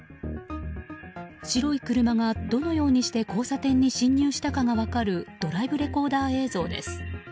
白い車がどのようにして交差点に進入したかが分かるドライブレコーダー映像です。